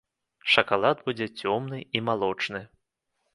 Шакалад будзе цёмны і малочны.